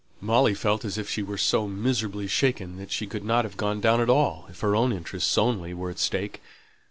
Molly felt as if she were so miserably shaken that she could not have gone down at all, if her own interests only had been at stake.